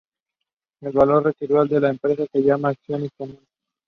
El valor residual de la empresa se llama acciones comunes.